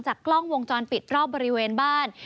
กล้องวงจรปิดรอบบริเวณบ้าน